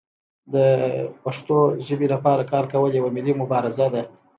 د پښتو ژبې لپاره کار کول یوه ملي مبارزه ده.